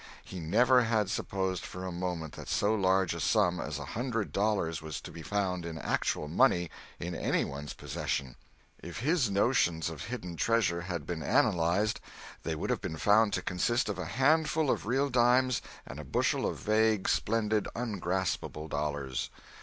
He never had supposed for a moment that so large a sum as a hundred dollars was to be found in actual money in any one's possession. If his notions of hidden treasure had been analyzed, they would have been found to consist of a handful of real dimes and a bushel of vague, splendid, ungraspable dollars.